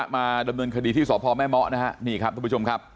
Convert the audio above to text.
มาดำเนินคดีที่สพแม่เมาะนะฮะนี่ครับทุกผู้ชมครับ